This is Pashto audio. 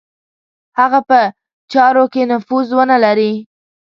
هغه په چارو کې نفوذ ونه لري.